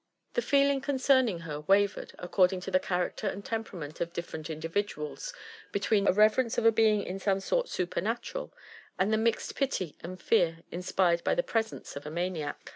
The feeling concerning her wavered, according to the character and temperament of different individuals, between reverence for a being in some sort supernatural, and the mixed pity and fear inspired by the presence of a maniac.